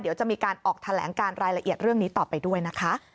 เดี๋ยวจะมีการออกแถลงการรายละเอียดเรื่องนี้ต่อไปด้วยนะคะ